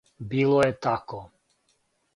Било је тако.